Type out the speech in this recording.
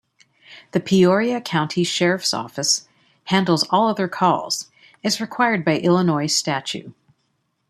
The Peoria County Sheriff's Office handles all other calls, as required by Illinois Statue.